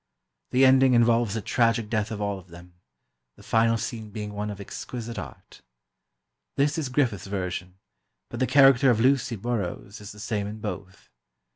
The ending involves the tragic death of all of them, the final scene being one of exquisite art. This is Griffith's version, but the character of Lucy Burrows is the same in both.